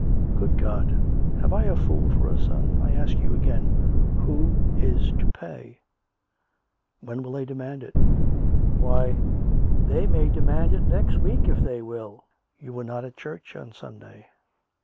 " Good God ! have I a fool for a son ? I ask you again, Who is it to pay ?"" When will they demand it ?"" Why, they may demand it next week, if they will ! You were not at church on Sunday